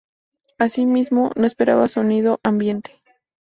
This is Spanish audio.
Asimismo, no esperaba sonido ambiente.